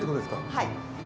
はい。